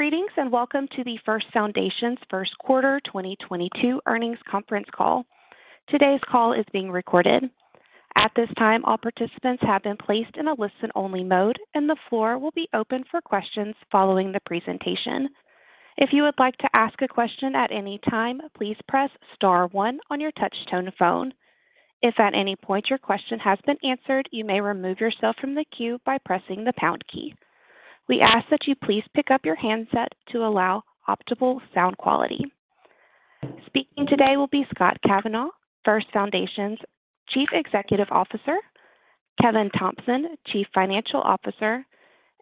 Greetings, and welcome to the First Foundation's first quarter 2022 earnings conference call. Today's call is being recorded. At this time, all participants have been placed in a listen-only mode, and the floor will be open for questions following the presentation. If you would like to ask a question at any time, please press star one on your touchtone phone. If at any point your question has been answered, you may remove yourself from the queue by pressing the pound key. We ask that you please pick up your handset to allow optimal sound quality. Speaking today will be Scott Kavanaugh, First Foundation's Chief Executive Officer, Kevin Thompson, Chief Financial Officer,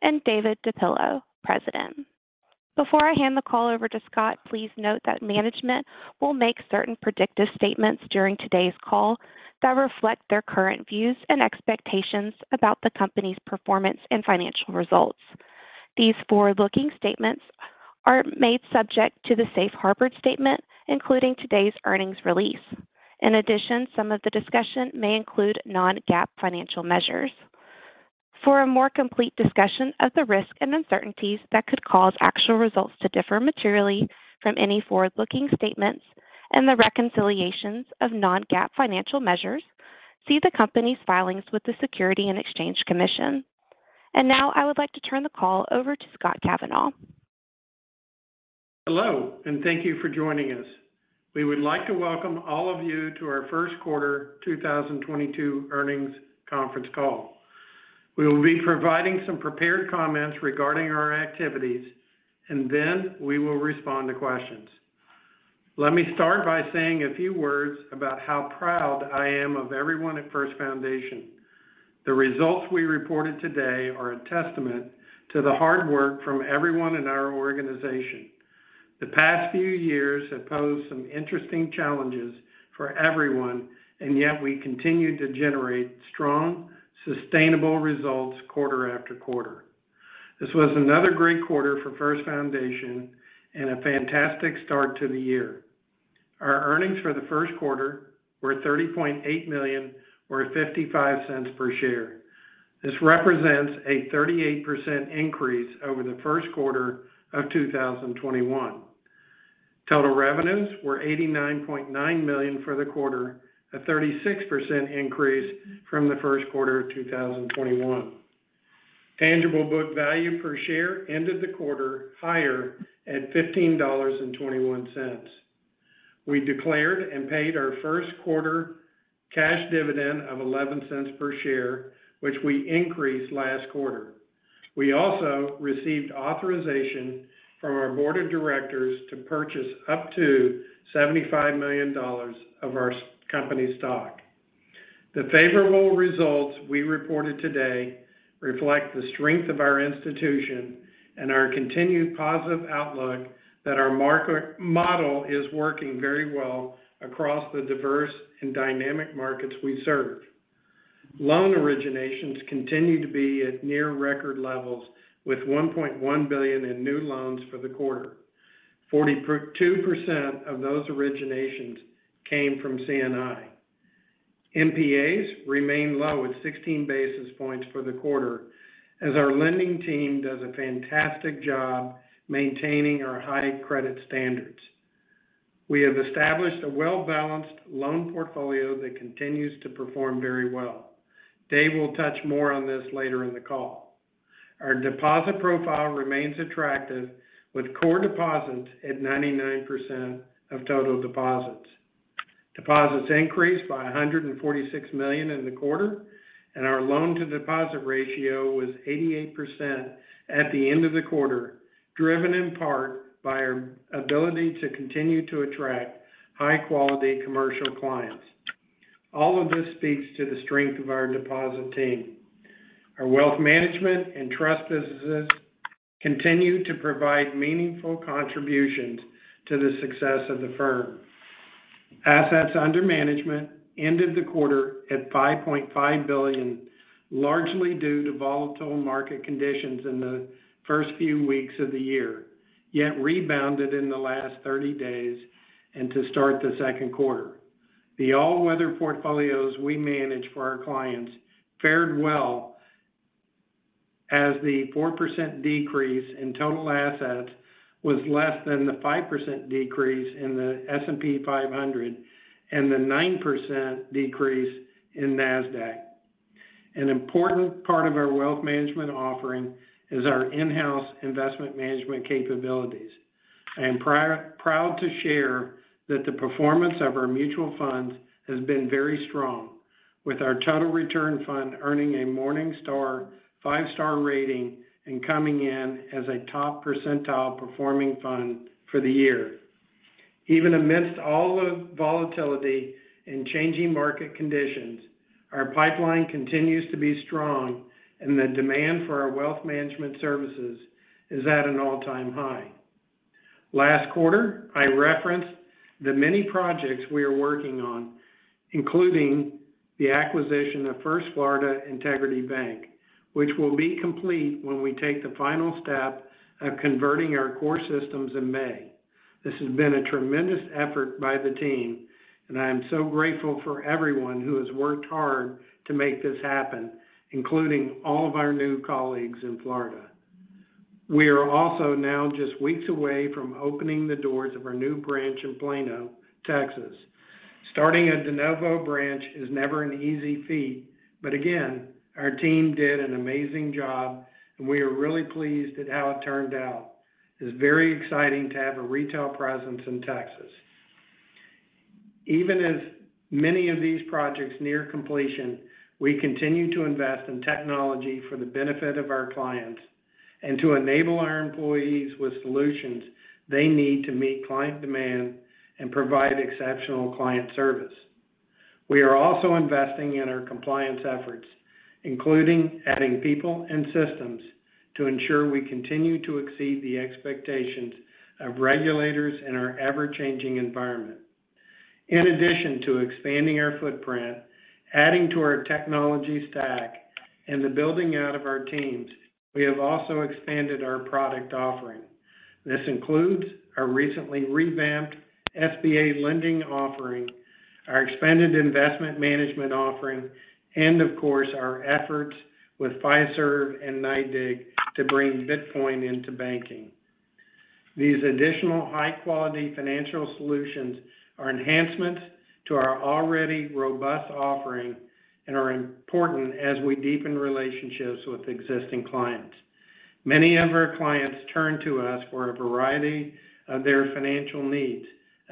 and David DePillo, President. Before I hand the call over to Scott, please note that management will make certain predictive statements during today's call that reflect their current views and expectations about the company's performance and financial results. These forward-looking statements are made subject to the safe harbor statement, including today's earnings release. In addition, some of the discussion may include non-GAAP financial measures. For a more complete discussion of the risks and uncertainties that could cause actual results to differ materially from any forward-looking statements and the reconciliations of non-GAAP financial measures, see the company's filings with the Securities and Exchange Commission. Now, I would like to turn the call over to Scott Kavanaugh. Hello, and thank you for joining us. We would like to welcome all of you to our first quarter 2022 earnings conference call. We will be providing some prepared comments regarding our activities, and then we will respond to questions. Let me start by saying a few words about how proud I am of everyone at First Foundation. The results we reported today are a testament to the hard work from everyone in our organization. The past few years have posed some interesting challenges for everyone, and yet we continue to generate strong, sustainable results quarter after quarter. This was another great quarter for First Foundation and a fantastic start to the year. Our earnings for the first quarter were $30.8 million or $0.55 per share. This represents a 38% increase over the first quarter of 2021. Total revenues were $89.9 million for the quarter, a 36% increase from the first quarter of 2021. Tangible book value per share ended the quarter higher at $15.21. We declared and paid our first quarter cash dividend of $0.11 per share, which we increased last quarter. We also received authorization from our board of directors to purchase up to $75 million of our company stock. The favorable results we reported today reflect the strength of our institution and our continued positive outlook that our market model is working very well across the diverse and dynamic markets we serve. Loan originations continue to be at near record levels with $1.1 billion in new loans for the quarter. 42% of those originations came from C&I. NPAs remain low at 16 basis points for the quarter as our lending team does a fantastic job maintaining our high credit standards. We have established a well-balanced loan portfolio that continues to perform very well. Dave will touch more on this later in the call. Our deposit profile remains attractive with core deposits at 99% of total deposits. Deposits increased by $146 million in the quarter, and our loan to deposit ratio was 88% at the end of the quarter, driven in part by our ability to continue to attract high quality commercial clients. All of this speaks to the strength of our deposit team. Our wealth management and trust businesses continue to provide meaningful contributions to the success of the firm. Assets under management ended the quarter at $5.5 billion, largely due to volatile market conditions in the first few weeks of the year, yet rebounded in the last 30 days and to start the second quarter. The all-weather portfolios we manage for our clients fared well as the 4% decrease in total assets was less than the 5% decrease in the S&P 500 and the 9% decrease in Nasdaq. An important part of our wealth management offering is our in-house investment management capabilities. I am proud to share that the performance of our mutual funds has been very strong with our total return fund earning a Morningstar five-star rating and coming in as a top percentile performing fund for the year. Even amidst all the volatility and changing market conditions, our pipeline continues to be strong and the demand for our wealth management services is at an all-time high. Last quarter, I referenced the many projects we are working on, including the acquisition of First Florida Integrity Bank, which will be complete when we take the final step of converting our core systems in May. This has been a tremendous effort by the team, and I am so grateful for everyone who has worked hard to make this happen, including all of our new colleagues in Florida. We are also now just weeks away from opening the doors of our new branch in Plano, Texas. Starting a de novo branch is never an easy feat, but again, our team did an amazing job, and we are really pleased at how it turned out. It's very exciting to have a retail presence in Texas. Even as many of these projects near completion, we continue to invest in technology for the benefit of our clients and to enable our employees with solutions they need to meet client demand and provide exceptional client service. We are also investing in our compliance efforts, including adding people and systems to ensure we continue to exceed the expectations of regulators in our ever-changing environment. In addition to expanding our footprint, adding to our technology stack, and the building out of our teams, we have also expanded our product offering. This includes our recently revamped SBA lending offering, our expanded investment management offering, and of course, our efforts with Fiserv and NYDIG to bring Bitcoin into banking. These additional high-quality financial solutions are enhancements to our already robust offering and are important as we deepen relationships with existing clients. Many of our clients turn to us for a variety of their financial needs,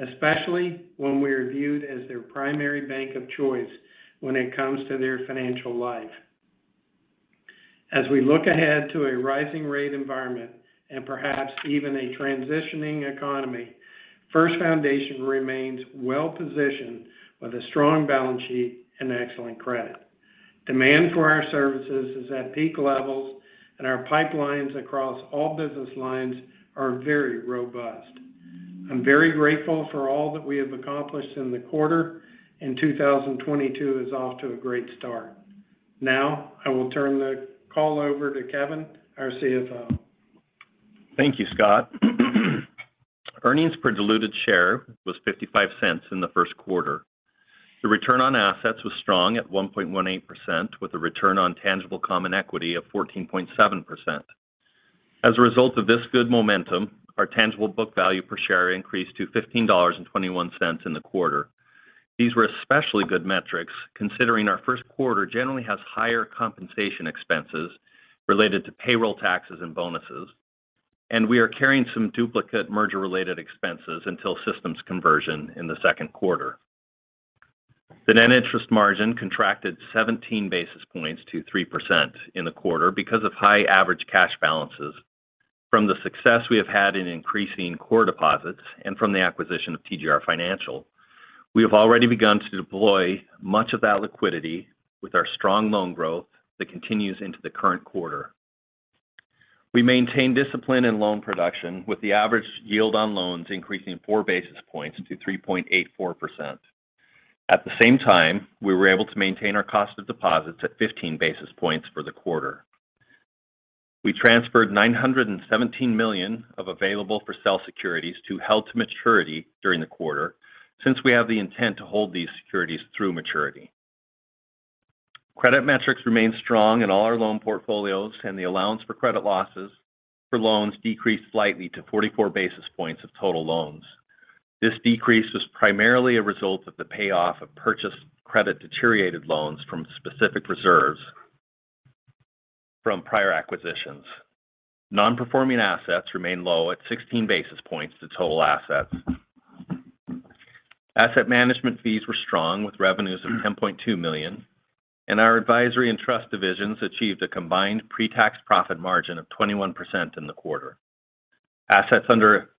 especially when we are viewed as their primary bank of choice when it comes to their financial life. As we look ahead to a rising rate environment and perhaps even a transitioning economy, First Foundation remains well-positioned with a strong balance sheet and excellent credit. Demand for our services is at peak levels, and our pipelines across all business lines are very robust. I'm very grateful for all that we have accomplished in the quarter, and 2022 is off to a great start. Now, I will turn the call over to Kevin, our CFO. Thank you, Scott. Earnings per diluted share was $0.55 in the first quarter. The return on assets was strong at 1.18% with a return on tangible common equity of 14.7%. As a result of this good momentum, our tangible book value per share increased to $15.21 in the quarter. These were especially good metrics considering our first quarter generally has higher compensation expenses related to payroll taxes and bonuses, and we are carrying some duplicate merger-related expenses until systems conversion in the second quarter. The net interest margin contracted 17 basis points to 3% in the quarter because of high average cash balances. From the success we have had in increasing core deposits and from the acquisition of TGR Financial, we have already begun to deploy much of that liquidity with our strong loan growth that continues into the current quarter. We maintain discipline in loan production with the average yield on loans increasing 4 basis points to 3.84%. At the same time, we were able to maintain our cost of deposits at 15 basis points for the quarter. We transferred $917 million of available-for-sale securities to held-to-maturity during the quarter since we have the intent to hold these securities through maturity. Credit metrics remain strong in all our loan portfolios, and the allowance for credit losses for loans decreased slightly to 44 basis points of total loans. This decrease was primarily a result of the payoff of purchased credit deteriorated loans from specific reserves from prior acquisitions. Non-performing assets remain low at 16 basis points to total assets. Asset management fees were strong with revenues of $10.2 million, and our advisory and trust divisions achieved a combined pre-tax profit margin of 21% in the quarter. Assets under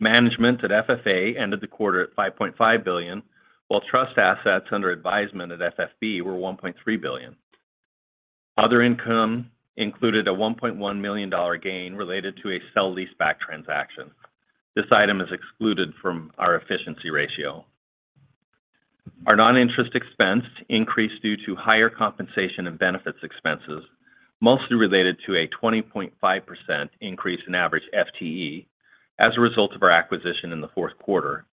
management at FFA ended the quarter at $5.5 billion, while trust assets under advisement at FFB were $1.3 billion. Other income included a $1.1 million gain related to a sale-leaseback transaction. This item is excluded from our efficiency ratio. Our non-interest expense increased due to higher compensation and benefits expenses, mostly related to a 20.5% increase in average FTE as a result of our acquisition in the fourth quarter.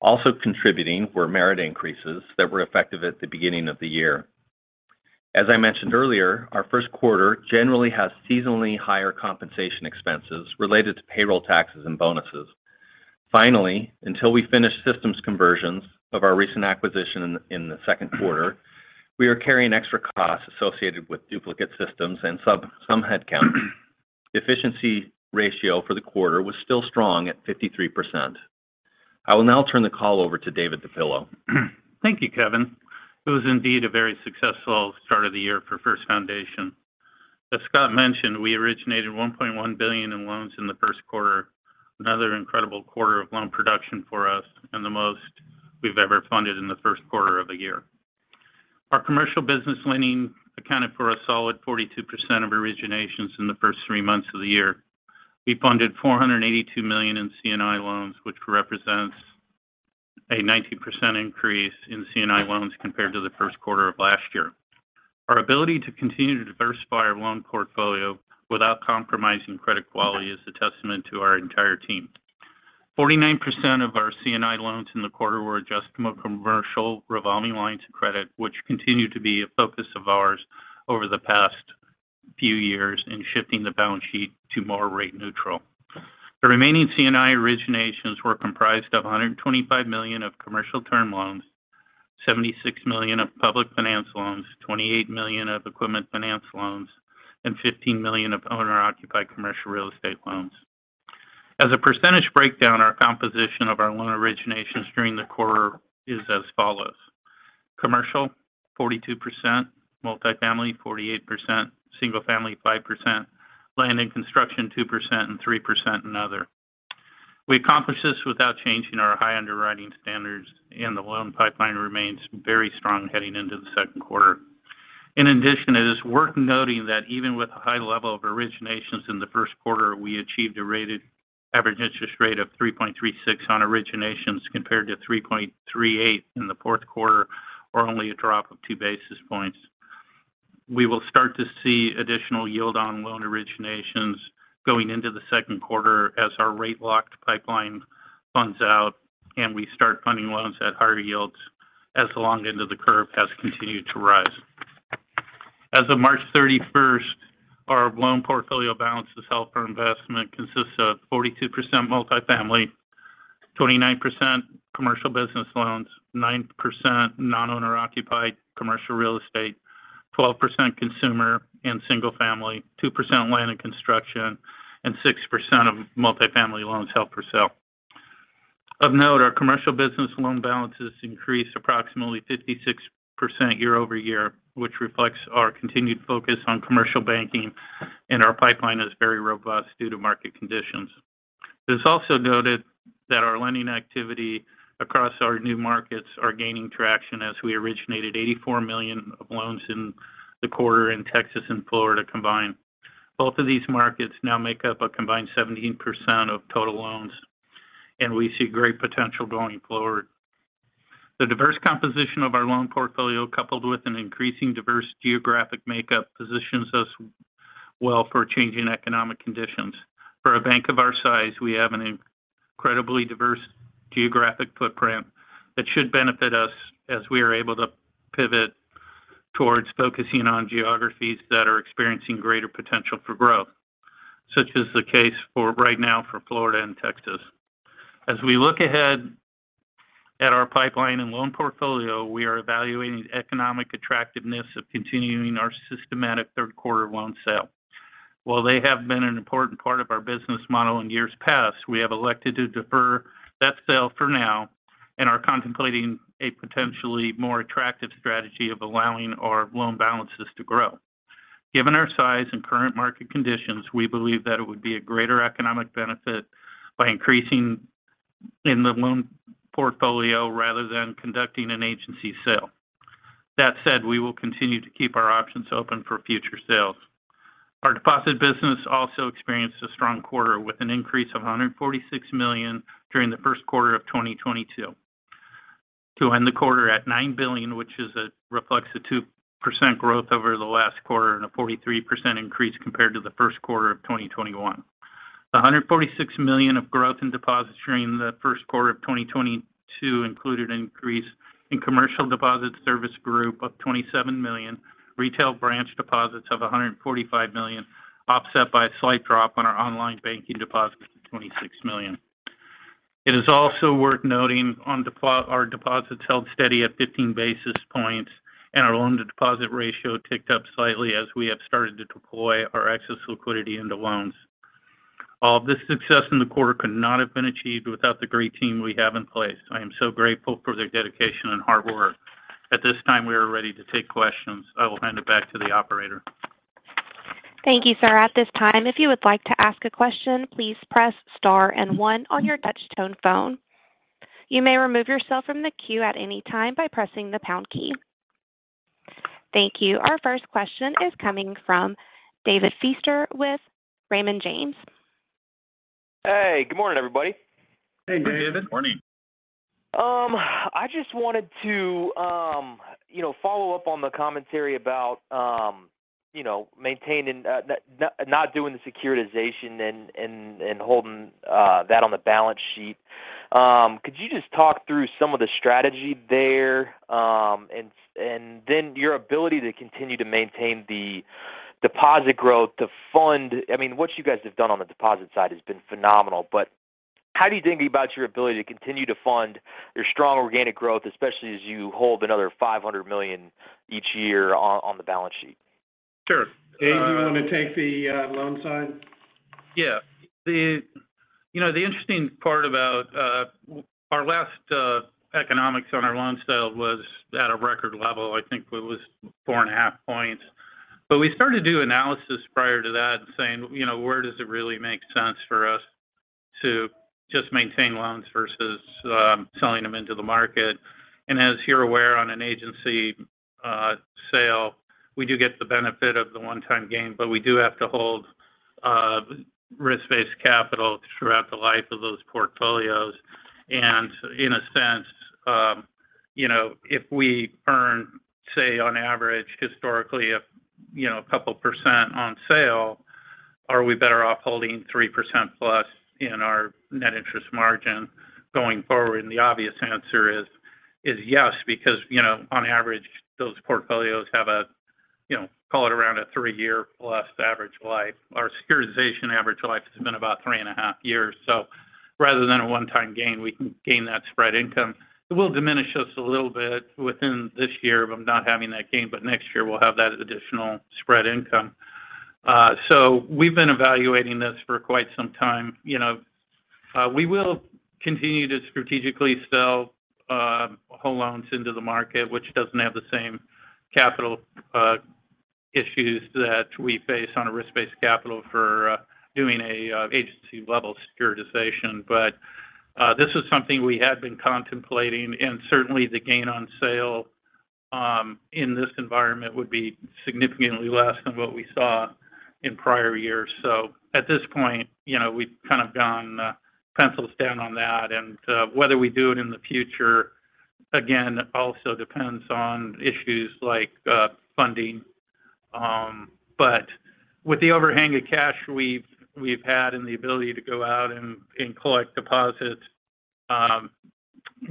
Also contributing were merit increases that were effective at the beginning of the year. As I mentioned earlier, our first quarter generally has seasonally higher compensation expenses related to payroll taxes and bonuses. Finally, until we finish systems conversions of our recent acquisition in the second quarter, we are carrying extra costs associated with duplicate systems and some headcount. Efficiency ratio for the quarter was still strong at 53%. I will now turn the call over to David DePillo. Thank you, Kevin. It was indeed a very successful start of the year for First Foundation. As Scott mentioned, we originated $1.1 billion in loans in the first quarter, another incredible quarter of loan production for us and the most we've ever funded in the first quarter of a year. Our commercial business lending accounted for a solid 42% of originations in the first three months of the year. We funded $482 million in C&I loans, which represents a 19% increase in C&I loans compared to the first quarter of last year. Our ability to continue to diversify our loan portfolio without compromising credit quality is a testament to our entire team. 49% of our C&I loans in the quarter were adjustable commercial revolving lines of credit, which continued to be a focus of ours over the past few years in shifting the balance sheet to more rate neutral. The remaining C&I originations were comprised of $125 million of commercial term loans, $76 million of public finance loans, $28 million of equipment finance loans, and $15 million of owner-occupied commercial real estate loans. As a percentage breakdown, our composition of our loan originations during the quarter is as follows. Commercial 42%, multifamily 48%, single-family 5%, land and construction 2%, and 3% in other. We accomplished this without changing our high underwriting standards, and the loan pipeline remains very strong heading into the second quarter. In addition, it is worth noting that even with a high level of originations in the first quarter, we achieved a weighted average interest rate of 3.36% on originations compared to 3.38% in the fourth quarter, or only a drop of 2 basis points. We will start to see additional yield on loan originations going into the second quarter as our rate-locked pipeline funds out and we start funding loans at higher yields as the long end of the curve has continued to rise. As of March 31st, our loan portfolio balance held for investment consists of 42% multifamily, 29% commercial business loans, 9% non-owner occupied commercial real estate, 12% consumer and single family, 2% land and construction, and 6% of multifamily loans held for sale. Of note, our commercial business loan balances increased approximately 56% year-over-year, which reflects our continued focus on commercial banking, and our pipeline is very robust due to market conditions. It's also noted that our lending activity across our new markets are gaining traction as we originated $84 million of loans in the quarter in Texas and Florida combined. Both of these markets now make up a combined 17% of total loans, and we see great potential going forward. The diverse composition of our loan portfolio, coupled with an increasing diverse geographic makeup, positions us well for changing economic conditions. For a bank of our size, we have an incredibly diverse geographic footprint that should benefit us as we are able to pivot towards focusing on geographies that are experiencing greater potential for growth. Such is the case for right now for Florida and Texas. As we look ahead at our pipeline and loan portfolio, we are evaluating the economic attractiveness of continuing our systematic third quarter loan sale. While they have been an important part of our business model in years past, we have elected to defer that sale for now and are contemplating a potentially more attractive strategy of allowing our loan balances to grow. Given our size and current market conditions, we believe that it would be a greater economic benefit by increasing in the loan portfolio rather than conducting an agency sale. That said, we will continue to keep our options open for future sales. Our deposit business also experienced a strong quarter with an increase of $146 million during the first quarter of 2022. To end the quarter at $9 billion, which reflects a 2% growth over the last quarter and a 43% increase compared to the first quarter of 2021. The $146 million of growth in deposits during the first quarter of 2022 included an increase in commercial deposit service group of $27 million, retail branch deposits of $145 million, offset by a slight drop in our online banking deposits of $26 million. It is also worth noting on our deposits held steady at 15 basis points, and our loan to deposit ratio ticked up slightly as we have started to deploy our excess liquidity into loans. All of this success in the quarter could not have been achieved without the great team we have in place. I am so grateful for their dedication and hard work. At this time, we are ready to take questions. I will hand it back to the operator. Thank you, sir. At this time if you would like to ask a question please press star and one on your touchtone phone. You may remove yourself from the queue by pressing the pound key. Thank you. Our first question is coming from David Feaster with Raymond James. Hey, good morning, everybody. Hey, David. Good morning. I just wanted to, you know, follow up on the commentary about, you know, maintaining not doing the securitization and holding that on the balance sheet. Could you just talk through some of the strategy there, and then your ability to continue to maintain the deposit growth to fund. I mean, what you guys have done on the deposit side has been phenomenal, but how do you think about your ability to continue to fund your strong organic growth, especially as you hold another $500 million each year on the balance sheet? Sure. David, do you want to take the loan side? Yeah. You know, the interesting part about our last economics on our loan sale was at a record level. I think it was 4.5 points. We started to do analysis prior to that saying, you know, where does it really make sense for us to just maintain loans versus selling them into the market. As you're aware, on an agency sale, we do get the benefit of the one-time gain, but we do have to hold risk-based capital throughout the life of those portfolios. In a sense, you know, if we earn, say, on average, historically, a couple percent on sale, are we better off holding 3%+ in our net interest margin going forward? The obvious answer is yes because, you know, on average, those portfolios have a, you know, call it around a 3-year+ average life. Our securitization average life has been about three and a half years. Rather than a one-time gain, we can gain that spread income. It will diminish us a little bit within this year of not having that gain, but next year we'll have that additional spread income. You know, we will continue to strategically sell whole loans into the market, which doesn't have the same capital issues that we face on a risk-based capital for doing a agency-level securitization. This is something we have been contemplating, and certainly the gain on sale in this environment would be significantly less than what we saw in prior years. At this point, you know, we've kind of gone pencils down on that. Whether we do it in the future, again, also depends on issues like funding. But with the overhang of cash we've had and the ability to go out and collect deposits,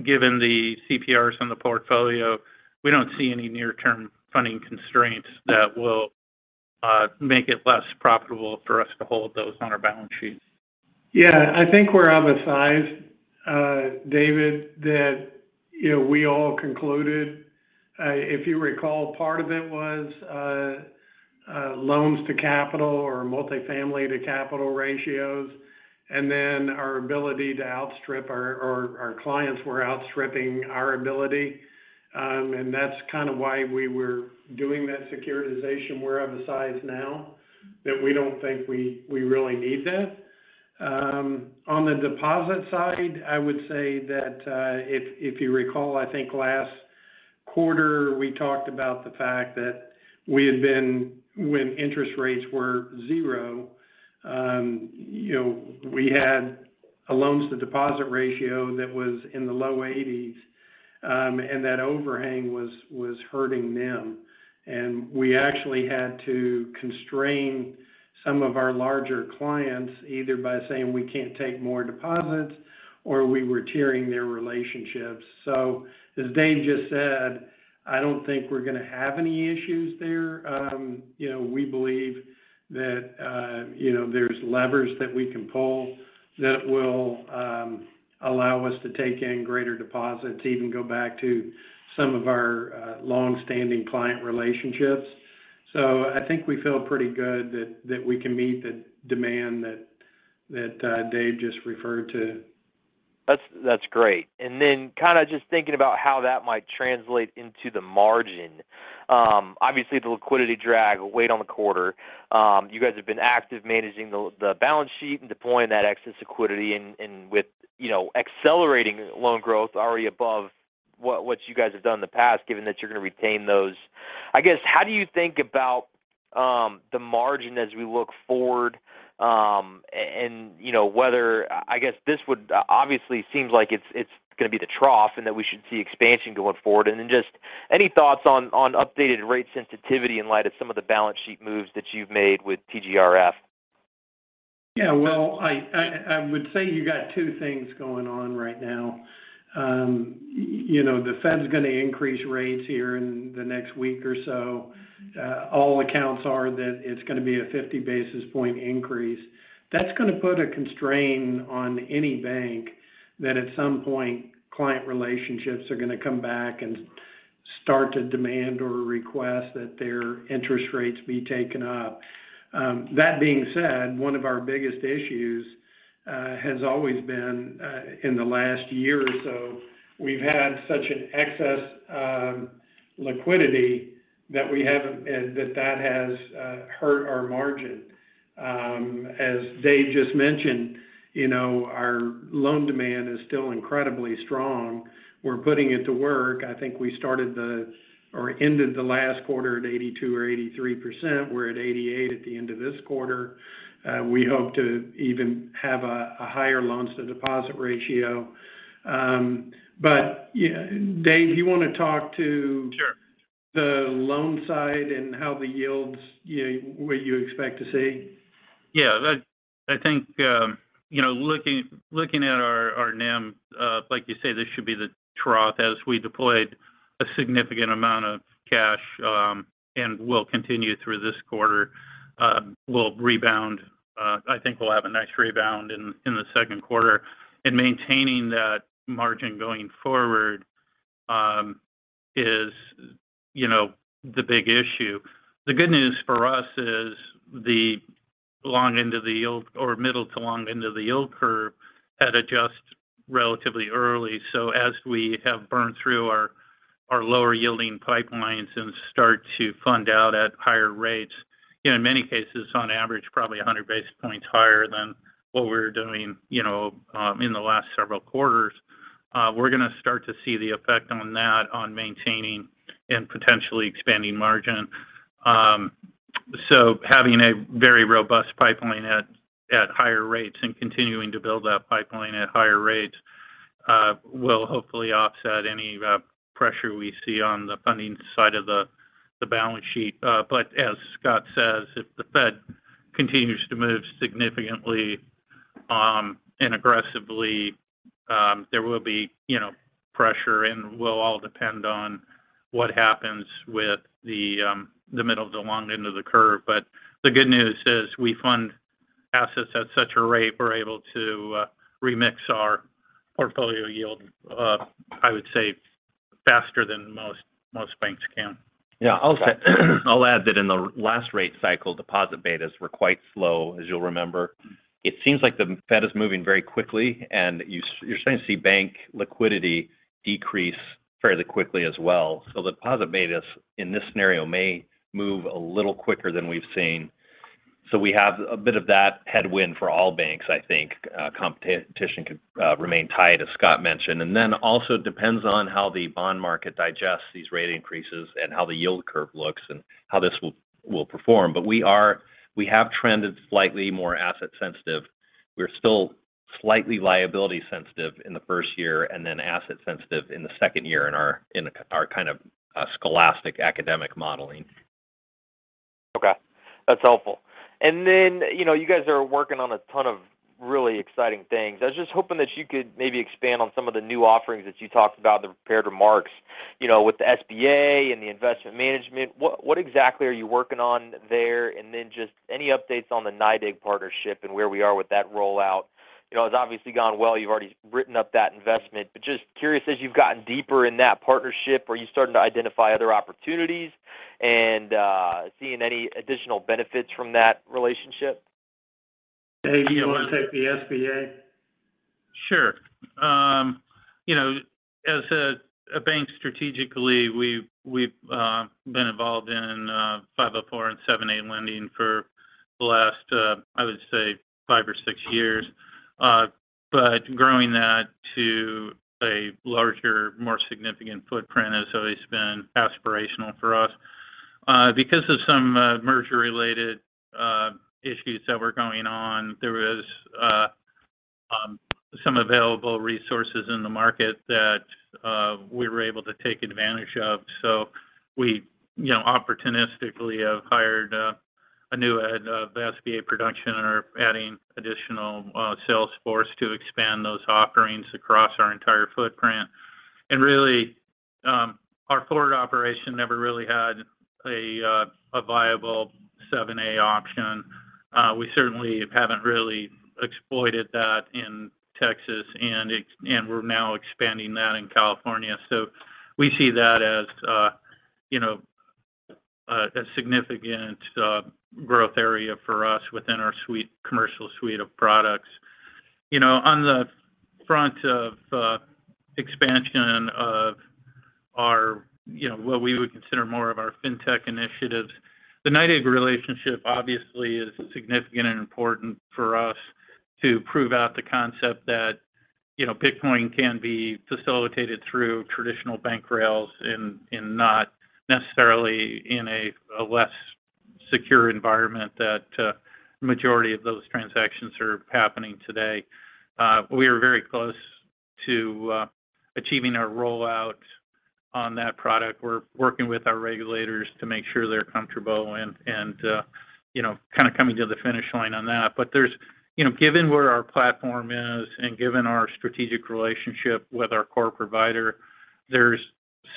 given the CPRs on the portfolio, we don't see any near-term funding constraints that will make it less profitable for us to hold those on our balance sheet. Yeah. I think we're of a size, David, that you know, we all concluded, if you recall, part of it was loans-to-capital or multifamily-to-capital ratios, and then our ability to outstrip our clients were outstripping our ability. And that's kind of why we were doing that securitization. We're of a size now that we don't think we really need that. On the deposit side, I would say that if you recall, I think last quarter we talked about the fact that we had been when interest rates were 0%, you know, we had a loans to deposit ratio that was in the low 80%s, and that overhang was hurting NIM. We actually had to constrain some of our larger clients, either by saying we can't take more deposits or we were tiering their relationships. As Dave just said, I don't think we're gonna have any issues there. You know, we believe that you know, there's levers that we can pull that will allow us to take in greater deposits, even go back to some of our long-standing client relationships. I think we feel pretty good that Dave just referred to. That's great. Kind of just thinking about how that might translate into the margin. Obviously the liquidity drag will weigh on the quarter. You guys have been active managing the balance sheet and deploying that excess liquidity and with, you know, accelerating loan growth already above what you guys have done in the past, given that you're going to retain those. I guess, how do you think about the margin as we look forward? And, you know, whether this would obviously seem like it's going to be the trough and that we should see expansion going forward. Just any thoughts on updated rate sensitivity in light of some of the balance sheet moves that you've made with TGRF? Yeah. Well, I would say you got two things going on right now. You know, the Fed's going to increase rates here in the next week or so. By all accounts, it's going to be a 50 basis point increase. That's going to put a constraint on any bank that, at some point, client relationships are going to come back and start to demand or request that their interest rates be taken up. That being said, one of our biggest issues has always been in the last year or so. We've had such an excess liquidity that has hurt our margin. As Dave just mentioned, you know, our loan demand is still incredibly strong. We're putting it to work. I think we ended the last quarter at 82% or 83%. We're at 88% at the end of this quarter. We hope to even have a higher loans to deposit ratio. Dave, you want to talk to- Sure... the loan side and how the yields, you know, what you expect to see? Yeah. I think, you know, looking at our NIM, like you say, this should be the trough as we deployed a significant amount of cash, and will continue through this quarter. We'll rebound. I think we'll have a nice rebound in the second quarter. Maintaining that margin going forward is, you know, the big issue. The good news for us is the long end of the yield or middle to long end of the yield curve has adjusted relatively early. So as we have burned through our lower yielding pipelines and start to fund out at higher rates, you know, in many cases, on average, probably 100 basis points higher than what we're doing, you know, in the last several quarters. We're gonna start to see the effect on that on maintaining and potentially expanding margin. So having a very robust pipeline at higher rates and continuing to build that pipeline at higher rates will hopefully offset any pressure we see on the funding side of the balance sheet. But as Scott says, if the Fed continues to move significantly and aggressively, there will be, you know, pressure, and will all depend on what happens with the middle to long end of the curve. The good news is we fund assets at such a rate, we're able to remix our portfolio yield, I would say faster than most banks can. Yeah. I'll add that in the last rate cycle, deposit betas were quite slow, as you'll remember. It seems like the Fed is moving very quickly, and you're starting to see bank liquidity decrease fairly quickly as well. Deposit betas in this scenario may move a little quicker than we've seen. We have a bit of that headwind for all banks, I think. Competition could remain tight, as Scott mentioned. Then also depends on how the bond market digests these rate increases and how the yield curve looks and how this will perform. We have trended slightly more asset sensitive. We're still slightly liability sensitive in the first year, and then asset sensitive in the second year in our kind of stochastic academic modeling. Okay. That's helpful. Then, you know, you guys are working on a ton of really exciting things. I was just hoping that you could maybe expand on some of the new offerings that you talked about in the prepared remarks. You know, with the SBA and the investment management, what exactly are you working on there? Then just any updates on the NYDIG partnership and where we are with that rollout. You know, it's obviously gone well. You've already written up that investment. Just curious, as you've gotten deeper in that partnership, are you starting to identify other opportunities and seeing any additional benefits from that relationship? Dave, do you want to take the SBA? Sure. You know, as a bank strategically, we've been involved in 504 and 7(a) lending for the last, I would say, five or six years. But growing that to a larger, more significant footprint has always been aspirational for us. Because of some merger-related issues that were going on, there was some available resources in the market that we were able to take advantage of. So we, you know, opportunistically have hired a new head of SBA production and are adding additional sales force to expand those offerings across our entire footprint. Really, our Florida operation never really had a viable 7(a) option. We certainly haven't really exploited that in Texas, and we're now expanding that in California. We see that as you know a significant growth area for us within our commercial suite of products. You know, on the front end of expansion of our you know what we would consider more of our fintech initiatives, the NYDIG relationship obviously is significant and important for us to prove out the concept that you know Bitcoin can be facilitated through traditional banking rails and not necessarily in a less secure environment that majority of those transactions are happening today. We are very close to achieving our rollout on that product. We're working with our regulators to make sure they're comfortable and you know kind of coming to the finish line on that. You know, given where our platform is and given our strategic relationship with our core provider, there's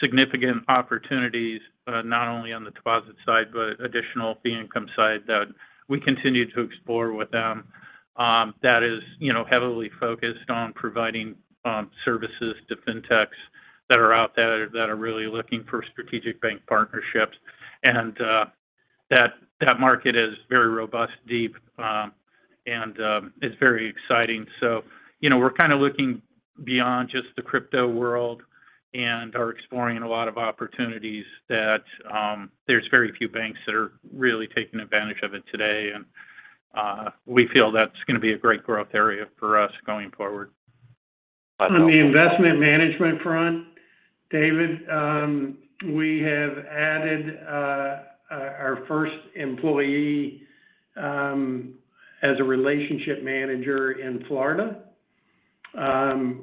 significant opportunities, not only on the deposit side, but additional fee income side that we continue to explore with them, that is, you know, heavily focused on providing, services to fintechs that are out there that are really looking for strategic bank partnerships. That market is very robust, deep, and is very exciting. You know, we're kind of looking beyond just the crypto world and are exploring a lot of opportunities that there's very few banks that are really taking advantage of it today. We feel that's gonna be a great growth area for us going forward. On the investment management front, David, we have added our first employee as a relationship manager in Florida.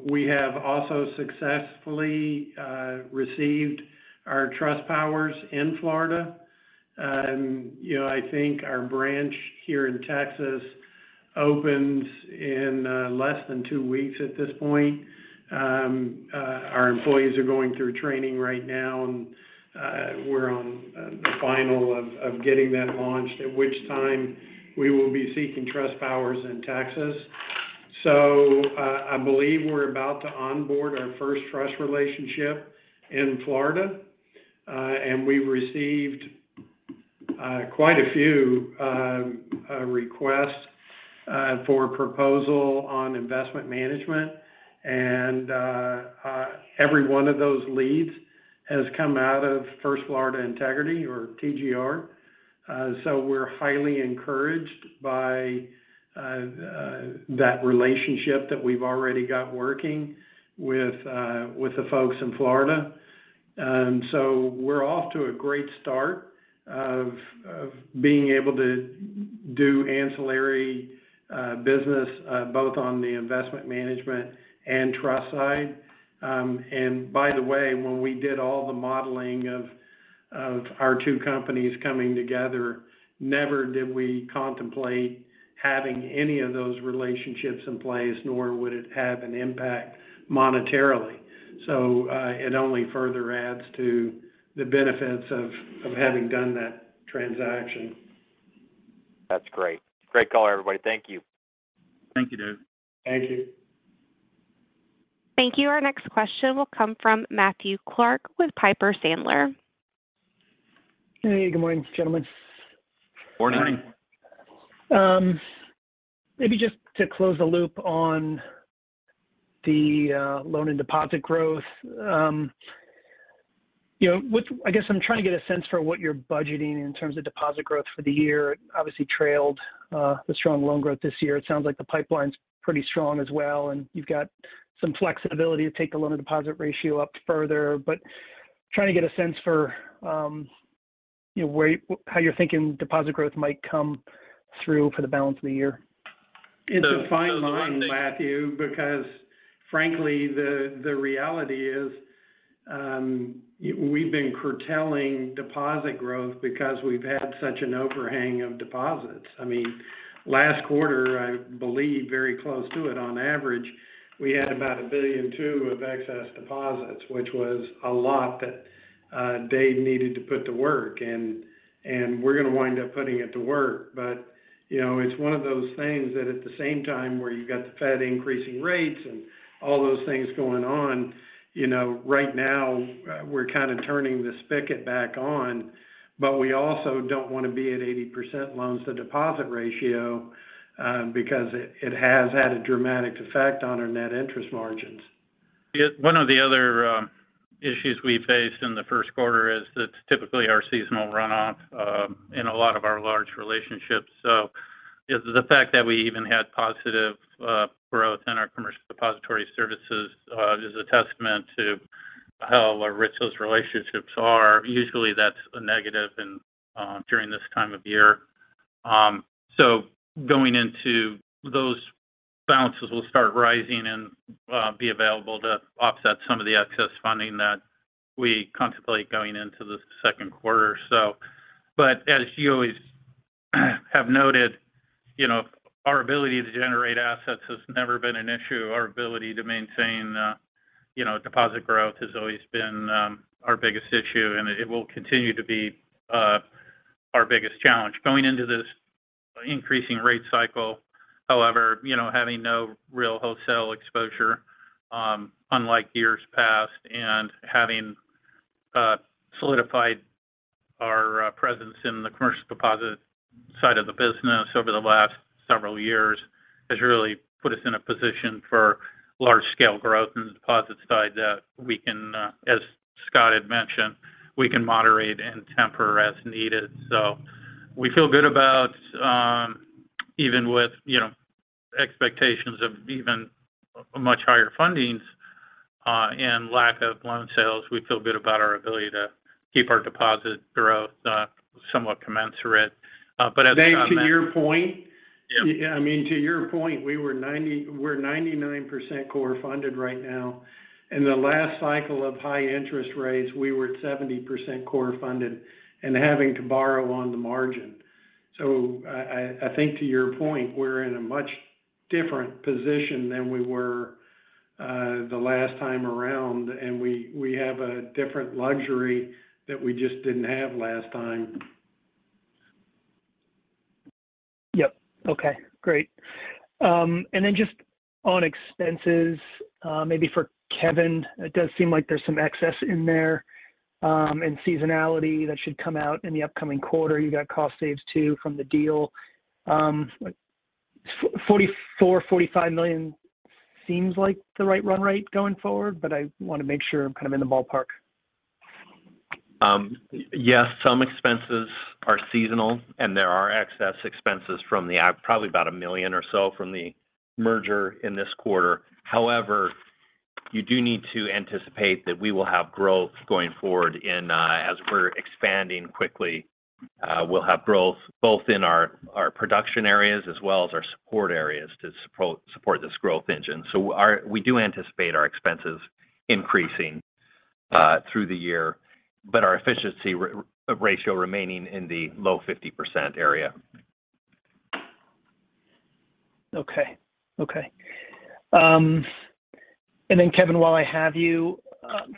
We have also successfully received our trust powers in Florida. You know, I think our branch here in Texas opens in less than two weeks at this point. Our employees are going through training right now. We're on the final of getting that launched, at which time we will be seeking trust powers in Texas. I believe we're about to onboard our first trust relationship in Florida. We've received quite a few requests for proposal on investment management. Every one of those leads has come out of First Florida Integrity or TGR. We're highly encouraged by that relationship that we've already got working with the folks in Florida. We're off to a great start of being able to do ancillary business both on the investment management and trust side. By the way, when we did all the modeling of our two companies coming together, never did we contemplate having any of those relationships in place, nor would it have an impact monetarily. It only further adds to the benefits of having done that transaction. That's great. Great call, everybody. Thank you. Thank you, Dave. Thank you. Thank you. Our next question will come from Matthew Clark with Piper Sandler. Hey, good morning, gentlemen. Morning. Morning. Maybe just to close the loop on the loan and deposit growth. You know, I guess I'm trying to get a sense for what you're budgeting in terms of deposit growth for the year. Obviously trailed the strong loan growth this year. It sounds like the pipeline's pretty strong as well, and you've got some flexibility to take the loan and deposit ratio up further. But trying to get a sense for, you know, how you're thinking deposit growth might come through for the balance of the year. It's a fine line, Matthew, because frankly, the reality is, we've been curtailing deposit growth because we've had such an overhang of deposits. I mean, last quarter, I believe very close to it on average, we had about $1.2 billion of excess deposits, which was a lot that Dave needed to put to work. We're gonna wind up putting it to work. You know, it's one of those things that at the same time where you've got the Fed increasing rates and all those things going on, you know, right now we're kind of turning the spigot back on. We also don't want to be at 80% loans to deposit ratio because it has had a dramatic effect on our net interest margins. One of the other issues we faced in the first quarter is that typically our seasonal runoff in a lot of our large relationships. The fact that we even had positive growth in our commercial depository services is a testament to how rich those relationships are. Usually, that's a negative, indeed, during this time of year. Going into those balances will start rising and be available to offset some of the excess funding that we contemplate going into the second quarter. As you always have noted, you know, our ability to generate assets has never been an issue. Our ability to maintain, you know, deposit growth has always been our biggest issue, and it will continue to be our biggest challenge. Going into this increasing rate cycle, however, you know, having no real wholesale exposure, unlike years past, and having solidified our presence in the commercial deposit side of the business over the last several years, has really put us in a position for large scale growth in the deposit side that we can, as Scott had mentioned, we can moderate and temper as needed. So we feel good about, even with, you know, expectations of even much higher fundings, and lack of loan sales. We feel good about our ability to keep our deposit growth, somewhat commensurate. As Scott mentioned- Dave, to your point. Yeah. I mean, to your point, we're 99% core funded right now. In the last cycle of high interest rates, we were at 70% core funded and having to borrow on the margin. I think to your point, we're in a much different position than we were, the last time around, and we have a different luxury that we just didn't have last time. Yep. Okay, great. Just on expenses, maybe for Kevin. It does seem like there's some excess in there, and seasonality that should come out in the upcoming quarter. You got cost savings, too from the deal. Like $44 million-$45 million seems like the right run rate going forward, but I want to make sure I'm kind of in the ballpark. Yes, some expenses are seasonal, and there are excess expenses from the merger, probably about $1 million or so in this quarter. However, you do need to anticipate that we will have growth going forward in as we're expanding quickly. We'll have growth both in our production areas as well as our support areas to support this growth engine. We do anticipate our expenses increasing through the year. Our efficiency ratio remaining in the low 50% area. Okay, Kevin, while I have you,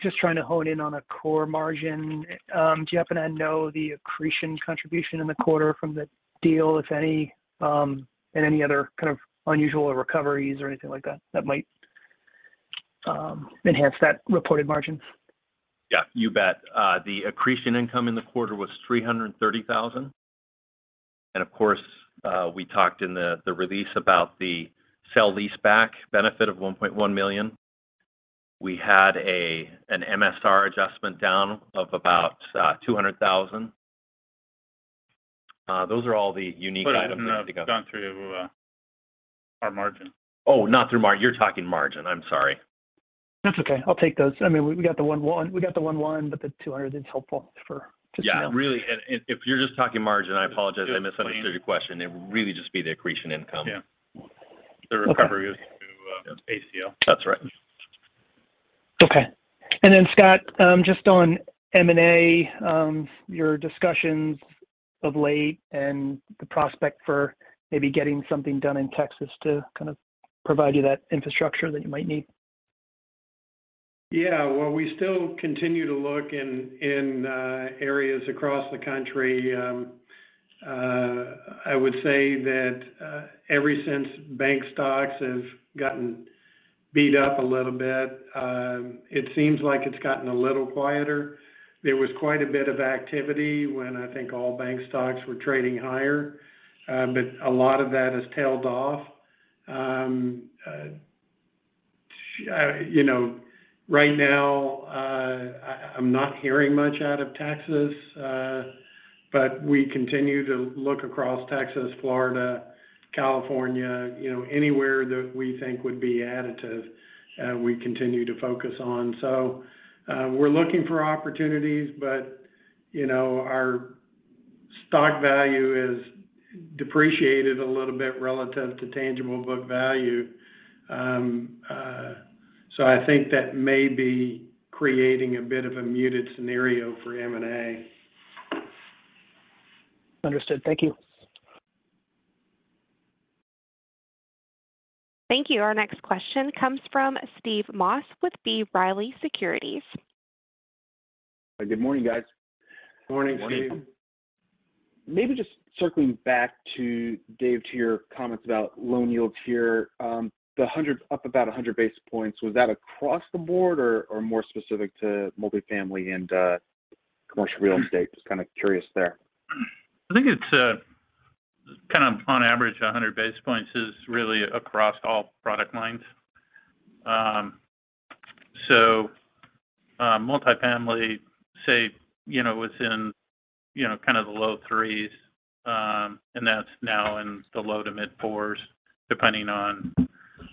just trying to hone in on a core margin. Do you happen to know the accretion contribution in the quarter from the deal, if any? Any other kind of unusual recoveries or anything like that that might enhance that reported margin? Yeah, you bet. The accretion income in the quarter was $330,000. Of course, we talked in the release about the sale-leaseback benefit of $1.1 million. We had an MSR adjustment down of about $200,000. Those are all the unique items that we pick up. I mean, I've gone through our margin. You're talking margin. I'm sorry. That's okay. I'll take those. I mean, we got the $1.1 million. We got the $1.1 million, but the $200 million is helpful for, just, you know. Yeah. Really, if you're just talking margin, I apologize. I misunderstood your question. It would really just be the accretion income. Yeah. Okay. The recovery is through ACL. That's right. Okay. Scott, just on M&A, your discussions of late and the prospect for maybe getting something done in Texas to kind of provide you that infrastructure that you might need? Yeah. Well, we still continue to look in areas across the country. I would say that ever since bank stocks have gotten beat up a little bit, it seems like it's gotten a little quieter. There was quite a bit of activity when I think all bank stocks were trading higher. A lot of that has tailed off. You know, right now, I'm not hearing much out of Texas. We continue to look across Texas, Florida, California. You know, anywhere that we think would be additive, we continue to focus on. We're looking for opportunities, but you know, our stock value has depreciated a little bit relative to tangible book value. I think that may be creating a bit of a muted scenario for M&A. Understood. Thank you. Thank you. Our next question comes from Steve Moss with B. Riley Securities. Good morning, guys. Morning, Steve. Morning. Maybe just circling back to Dave, to your comments about loan yields here. Up about 100 basis points, was that across the board or more specific to multifamily and commercial real estate? Just kind of curious there. I think it's kind of on average, 100 basis points is really across all product lines. Multifamily, say, you know, was in, you know, kind of the low threes. That's now in the low to mid fours depending on,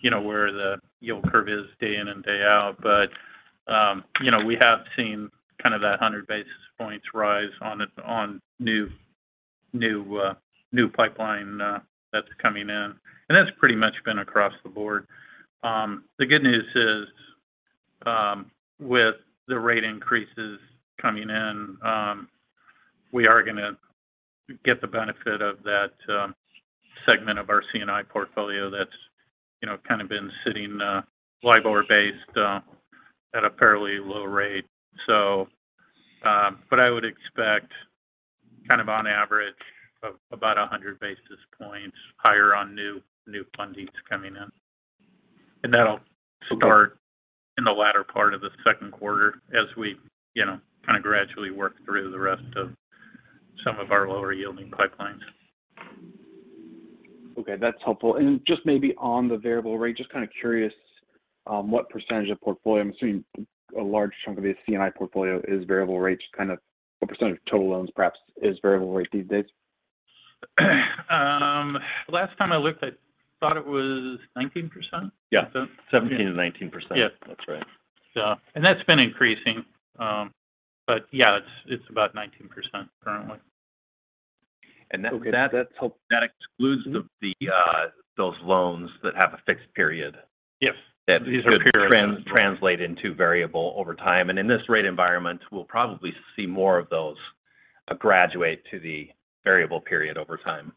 you know, where the yield curve is day in and day out. You know, we have seen kind of that 100 basis points rise on it, on new pipeline that's coming in. That's pretty much been across the board. The good news is, with the rate increases coming in, we are gonna get the benefit of that segment of our C&I portfolio that's, you know, kind of been sitting LIBOR-based at a fairly low rate. I would expect kind of on average of about 100 basis points higher on new fundings coming in. That'll start in the latter part of the second quarter as we, you know, kind of gradually work through the rest of some of our lower yielding pipelines. Okay, that's helpful. Just maybe on the variable rate, just kind of curious what percentage of the portfolio. I'm assuming a large chunk of the C&I portfolio is variable rate. Just kind of what percent of total loans perhaps is variable rate these days? Last time I looked, I thought it was 19%. Yeah. 17%-19%. Yeah. That's right. Yeah. That's been increasing. Yeah, it's about 19% currently. Okay. That's helpful. That excludes those loans that have a fixed period- Yes... that could translate into variable over time. In this rate environment, we'll probably see more of those, graduate to the variable period over time.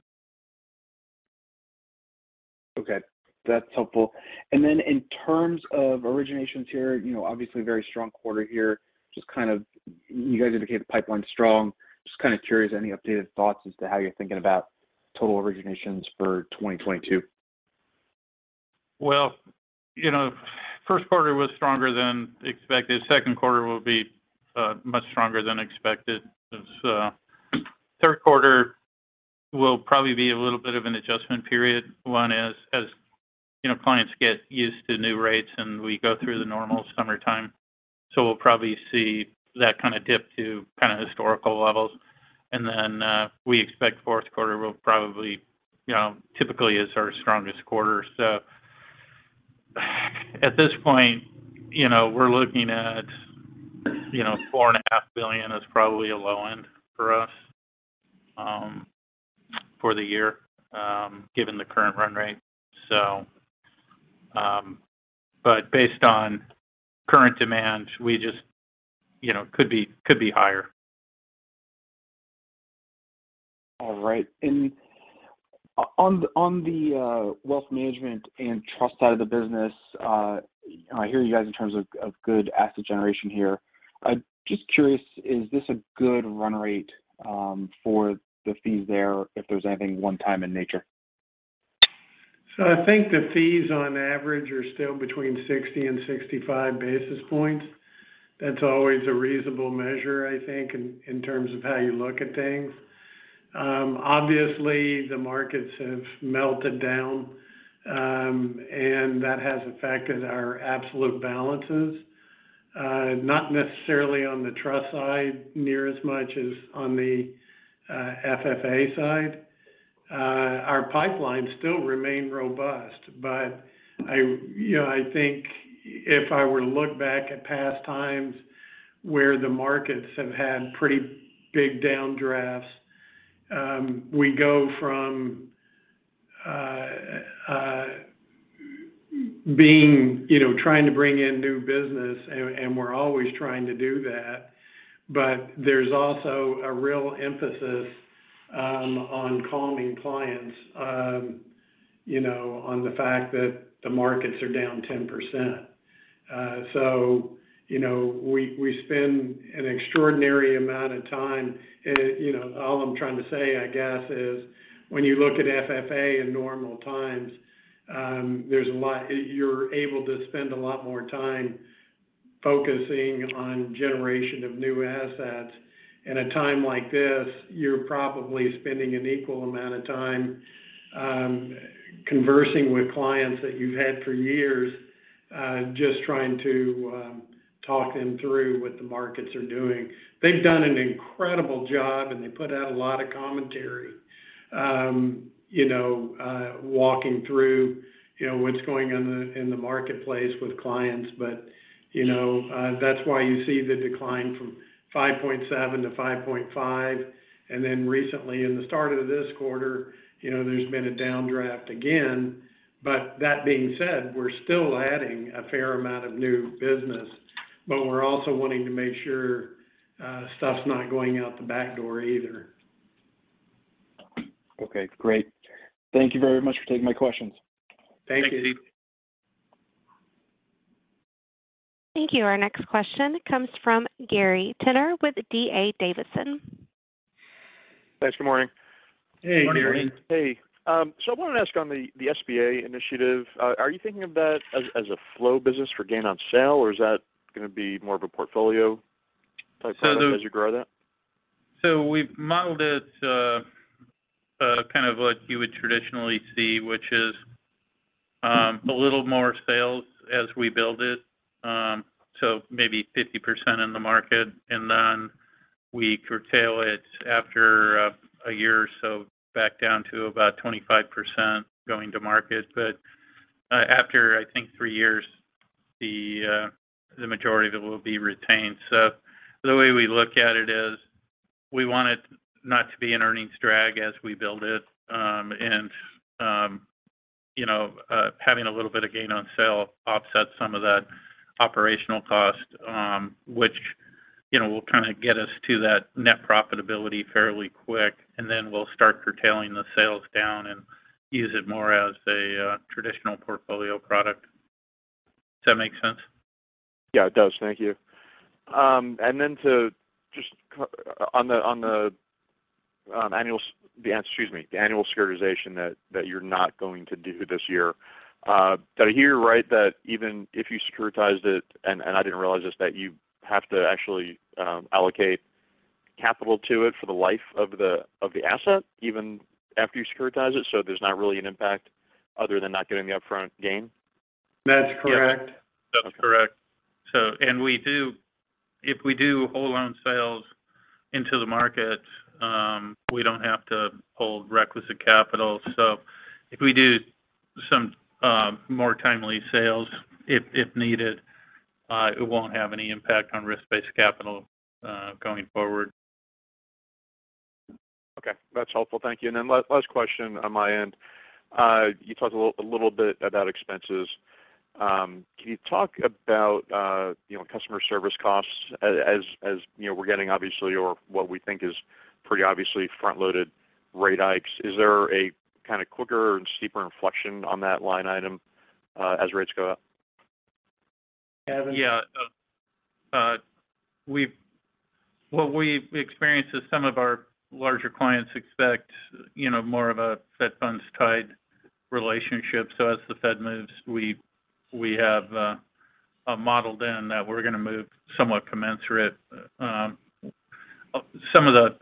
Okay, that's helpful. In terms of originations here, you know, obviously very strong quarter here. Just kind of you guys indicated the pipeline's strong. Just kind of curious, any updated thoughts as to how you're thinking about total originations for 2022? Well, you know, first quarter was stronger than expected. Second quarter will be much stronger than expected since third quarter will probably be a little bit of an adjustment period. As you know, clients get used to new rates, and we go through the normal summertime. We'll probably see that kind of dip to kind of historical levels. Then we expect fourth quarter will probably, you know, typically is our strongest quarter. At this point, you know, we're looking at, you know, $4.5 billion is probably a low end for us for the year given the current run rate. But based on current demand, we just, you know, could be higher. All right. On the wealth management and trust side of the business, I hear you guys in terms of good asset generation here. I'm just curious, is this a good run rate for the fees there if there's anything one time in nature? I think the fees on average are still between 60-65 basis points. That's always a reasonable measure, I think in terms of how you look at things. Obviously the markets have melted down, and that has affected our absolute balances. Not necessarily on the trust side near as much as on the FFA side. Our pipelines still remain robust, but you know, I think if I were to look back at past times where the markets have had pretty big downdrafts, we go from being, you know, trying to bring in new business and we're always trying to do that, but there's also a real emphasis on calling clients, you know, on the fact that the markets are down 10%. You know, we spend an extraordinary amount of time. You know, all I'm trying to say, I guess, is when you look at FFA in normal times, there's a lot. You're able to spend a lot more time focusing on generation of new assets. In a time like this, you're probably spending an equal amount of time, conversing with clients that you've had for years, just trying to talk them through what the markets are doing. They've done an incredible job, and they put out a lot of commentary, you know, walking through, you know, what's going on in the marketplace with clients. You know, that's why you see the decline from 5.7% to 5.5%. Then recently in the start of this quarter, you know, there's been a downdraft again. That being said, we're still adding a fair amount of new business, but we're also wanting to make sure stuff's not going out the back door either. Okay, great. Thank you very much for taking my questions. Thank you. Thank you. Our next question comes from Gary Tenner with D.A. Davidson. Thanks. Good morning. Hey, Gary. Good morning. Hey. I wanted to ask on the SBA initiative, are you thinking of that as a flow business for gain on sale, or is that gonna be more of a portfolio type product as you grow that? So the- We've modeled it, kind of like you would traditionally see, which is, a little more sales as we build it, so maybe 50% in the market. Then we curtail it after a year or so back down to about 25% going to market. After I think three years the majority of it will be retained. The way we look at it is we want it not to be an earnings drag as we build it. You know, having a little bit of gain on sale offsets some of that operational cost, which, you know, will kind of get us to that net profitability fairly quick. Then we'll start curtailing the sales down and use it more as a traditional portfolio product. Does that make sense? Yeah, it does. Thank you. Then on the annual securitization that you're not going to do this year, did I hear you right that even if you securitized it, and I didn't realize this, that you have to actually allocate capital to it for the life of the asset, even after you securitize it, so there's not really an impact other than not getting the upfront gain? That's correct. Yeah. That's correct. If we do whole loan sales into the market, we don't have to hold requisite capital. If we do some more timely sales if needed, it won't have any impact on risk-based capital going forward. Okay. That's helpful. Thank you. Then last question on my end. You talked a little bit about expenses. Can you talk about, you know, customer service costs as, you know, we're getting obviously or what we think is pretty obviously front-loaded rate hikes. Is there a kind of quicker and steeper inflection on that line item, as rates go up? Kevin? What we've experienced is some of our larger clients expect, you know, more of a Fed funds tied relationship. So as the Fed moves, we have modeled in that we're going to move somewhat commensurate. Some of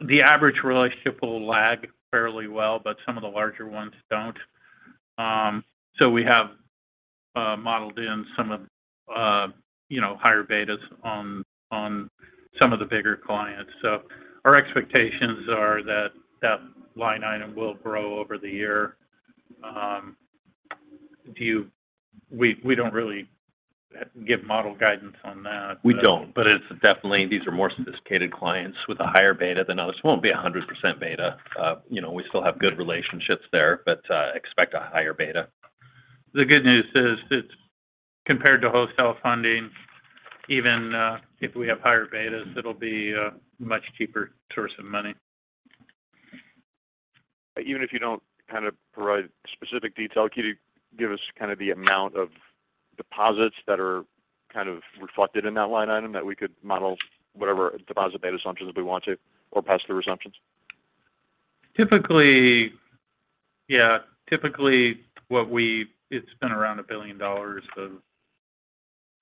the average relationship will lag fairly well, but some of the larger ones don't. So we have modeled in some of, you know, higher betas on some of the bigger clients. So our expectations are that that line item will grow over the year. We don't really give model guidance on that. We don't, but it's definitely these are more sophisticated clients with a higher beta than others. Won't be 100% beta. You know, we still have good relationships there, but expect a higher beta. The good news is it's compared to wholesale funding, even if we have higher betas, it'll be a much cheaper source of money. Even if you don't kind of provide specific detail, can you give us kind of the amount of deposits that are kind of reflected in that line item that we could model whatever deposit beta assumptions we want to or pass through assumptions? Typically, yeah. It's been around $1 billion of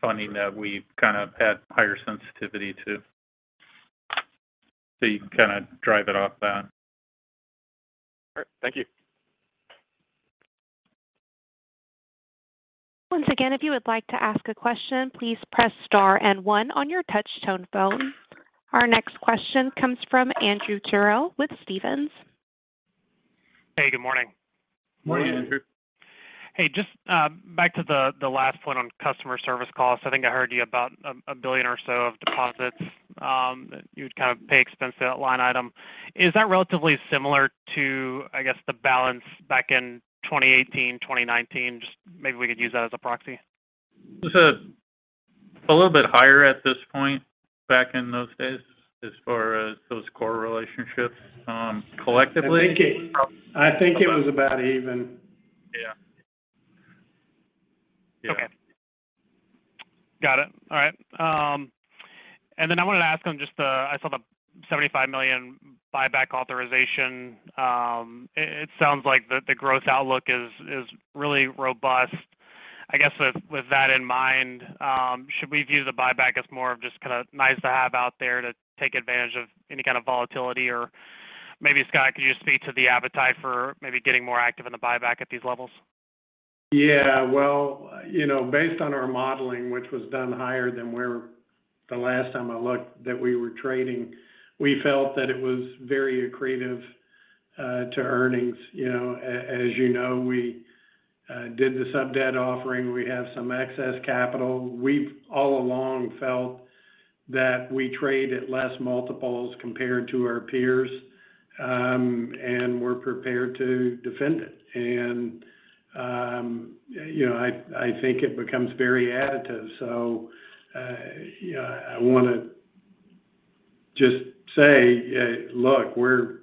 funding that we've kind of had higher sensitivity to. You can kind of drive it off that. All right. Thank you. Once again, if you would like to ask a question, please press star and one on your touchtone phone. Our next question comes from Andrew Terrell with Stephens. Hey, good morning. Morning, Andrew. Hey, just back to the last point on customer service calls. I think I heard you about $1 billion or so of deposits that you would kind of pay expense to that line item. Is that relatively similar to, I guess, the balance back in 2018, 2019? Just maybe we could use that as a proxy. It's a little bit higher at this point back in those days as far as those core relationships. Collectively I think it was about even. Yeah. Yeah. Okay. Got it. All right. I wanted to ask on just I saw the $75 million buyback authorization. It sounds like the growth outlook is really robust. I guess with that in mind, should we view the buyback as more of just kinda nice to have out there to take advantage of any kind of volatility? Maybe, Scott, could you just speak to the appetite for maybe getting more active in the buyback at these levels? Yeah. Well, you know, based on our modeling, which was done higher than where the last time I looked that we were trading, we felt that it was very accretive to earnings. You know, as you know, we did the sub-debt offering. We have some excess capital. We've all along felt that we trade at less multiples compared to our peers, and we're prepared to defend it. You know, I think it becomes very additive. Yeah, I wanna just say, look, we're,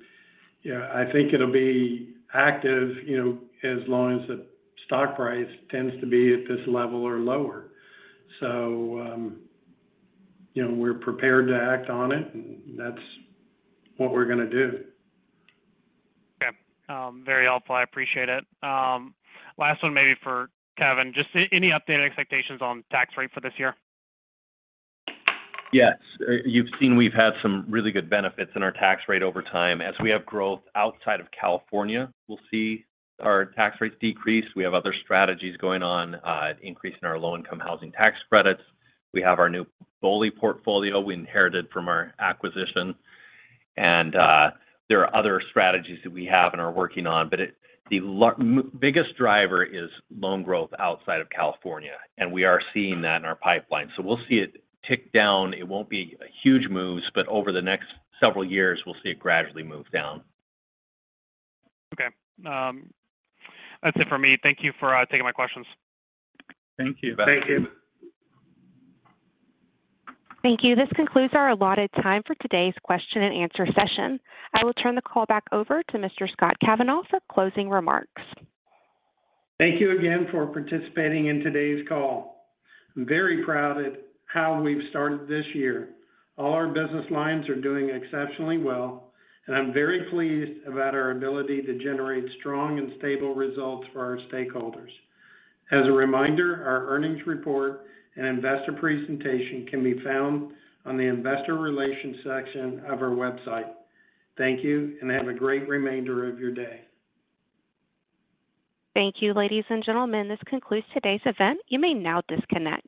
you know, I think it'll be active, you know, as long as the stock price tends to be at this level or lower. You know, we're prepared to act on it, and that's what we're gonna do. Okay. Very helpful. I appreciate it. Last one maybe for Kevin. Just any updated expectations on tax rate for this year? Yes. You've seen we've had some really good benefits in our tax rate over time. As we have growth outside of California, we'll see our tax rates decrease. We have other strategies going on, an increase in our low-income housing tax credits. We have our new BOLI portfolio we inherited from our acquisition. There are other strategies that we have and are working on. The biggest driver is loan growth outside of California, and we are seeing that in our pipeline. We'll see it tick down. It won't be huge moves, but over the next several years, we'll see it gradually move down. Okay. That's it for me. Thank you for taking my questions. Thank you. Thank you. Thank you. This concludes our allotted time for today's question and answer session. I will turn the call back over to Mr. Scott Kavanaugh for closing remarks. Thank you again for participating in today's call. I'm very proud at how we've started this year. All our business lines are doing exceptionally well, and I'm very pleased about our ability to generate strong and stable results for our stakeholders. As a reminder, our earnings report and investor presentation can be found on the investor relations section of our website. Thank you, and have a great remainder of your day. Thank you, ladies and gentlemen. This concludes today's event. You may now disconnect.